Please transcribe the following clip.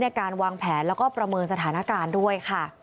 ในการวางแผนแล้วก็ประเมินสถานการณ์ด้วยค่ะ